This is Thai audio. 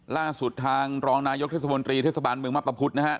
ล่าสุดทางรองนายกเทศมนตรีเทศบาลเมืองมะตะพุทธนะฮะ